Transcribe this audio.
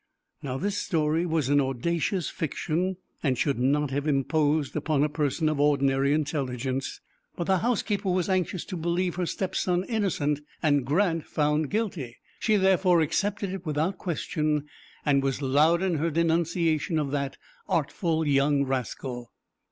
Now, this story was an audacious fiction, and should not have imposed upon a person of ordinary intelligence; but the housekeeper was anxious to believe her step son innocent and Grant guilty. She therefore accepted it without question, and was loud in her denunciation of that "artful young rascal."